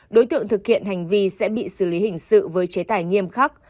đối tượng thực hiện hành vi sẽ bị xử lý hình sự với chế tài nghiêm khắc